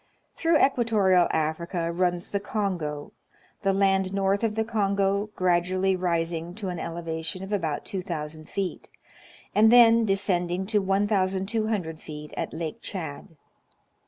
Through equatorial Africa runs the Kongo, the land north of the Kongo gradually rising to an elevation of about 2,000 feet, and then descending to 1,200 feet at Lake Chad.